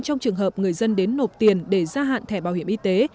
trong trường hợp người dân đến nộp tiền để gia hạn thẻ bảo hiểm y tế